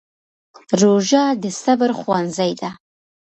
روژه د صبر ښوونځی دی.